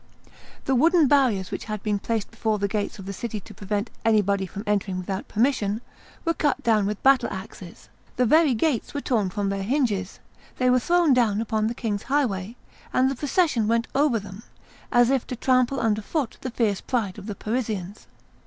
The wooden barriers which had been placed before the gates of the city to prevent anybody from entering without permission, were cut down with battle axes; the very gates were torn from their hinges; they were thrown down upon the king's highway, and the procession went over them, as if to trample under foot the fierce pride of the Parisians.